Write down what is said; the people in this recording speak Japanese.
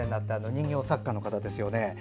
人形作家の方ですよね。